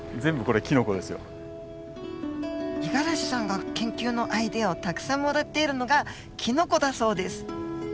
五十嵐さんが研究のアイデアをたくさんもらっているのがキノコだそうです。